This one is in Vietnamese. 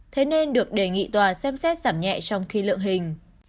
thế nên được đề nghị tòa xem xét giảm nhẹ trong khi lượng hình